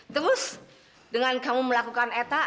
terus dengan kamu melakukan eta